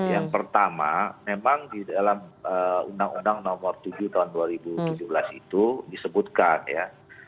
yang pertama memang di dalam undang undang nomor tujuh tahun dua ribu tujuh belas itu disebutkan ya